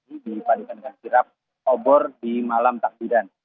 ini dipadukan dengan kirap obor di malam takbiran